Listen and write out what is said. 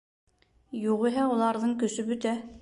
Юғиһә, уларҙың көсө бөтә.